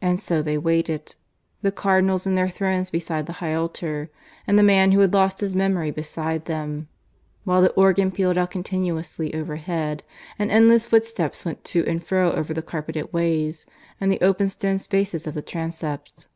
And so they waited, the Cardinals in their thrones beside the high altar, and the man who had lost his memory beside them; while the organ pealed out continuously overhead and endless footsteps went to and fro over the carpeted ways and the open stone spaces of the transepts.